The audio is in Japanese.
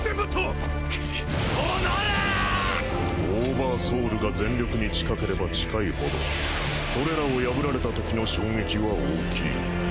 オーバーソウルが全力に近ければ近いほどそれらを破られたときの衝撃は大きい。